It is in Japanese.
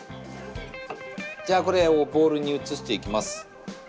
じゃあこれをボウルに移していきます。